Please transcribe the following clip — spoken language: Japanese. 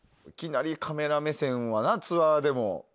いきなりカメラ目線はツアーでも。